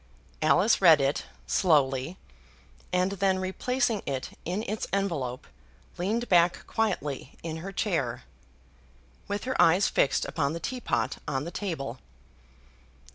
Alice read it, slowly, and then replacing it in its envelope, leaned back quietly in her chair, with her eyes fixed upon the teapot on the table.